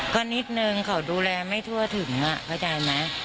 ก็นิดหนึ่งเขาดูแลไม่ทั่วถึงค่ะ